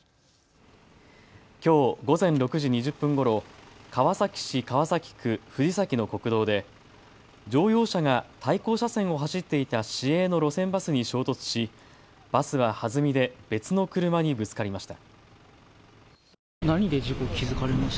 きょう午前６時２０分ごろ、川崎市川崎区藤崎の国道で乗用車が対向車線を走っていた市営の路線バスに衝突しバスははずみで別の車にぶつかりました。